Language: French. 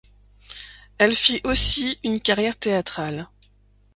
Elle fit aussi une carrière théâtrale.